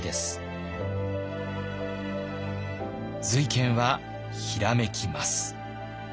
瑞賢はひらめきます。